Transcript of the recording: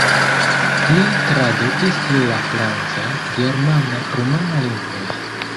Li tradukis el la franca, germana, rumana lingvoj.